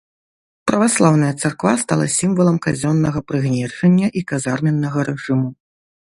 Праваслаўная царква стала сімвалам казённага прыгнечання і казарменнага рэжыму.